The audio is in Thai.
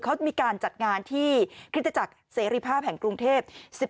เขามีการจัดงานที่คริสตจักรเสรีภาพแห่งกรุงเทพ